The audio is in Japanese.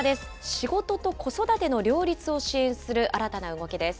仕事と子育ての両立を支援する新たな動きです。